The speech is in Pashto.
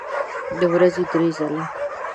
د ورځې درې ځله